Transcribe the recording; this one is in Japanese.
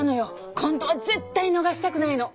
今度は絶対逃したくないの。